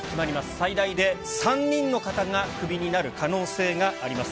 最大で３人の方がクビになる可能性があります。